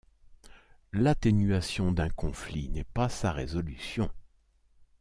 L'atténuation d'un conflit n'est pas sa résolution.